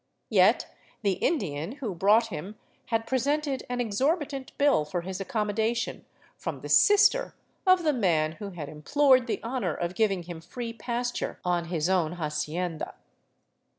Yet the Indian who brought him had presented an exorbitant bill for his accommodation from the sister of the man who had implored the honor of giving him free pas ture on his own hacienda.